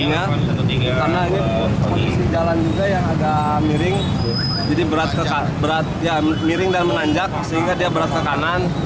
ya miring dan menanjak sehingga dia berat ke kanan